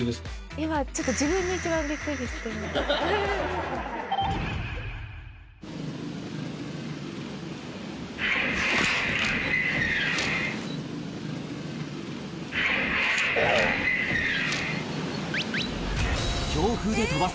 今、ちょっと自分に一番びっくりしてます。